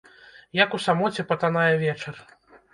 Як у самоце патанае вечар.